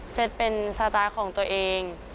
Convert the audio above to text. เสร็จเป็นสไตล์ของตัวเอง